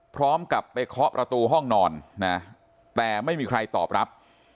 พร้อมกับไปเคาะประตูห้องนอนนะแต่ไม่มีใครตอบรับ